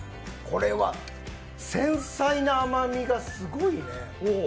これは繊細な甘みがすごいね。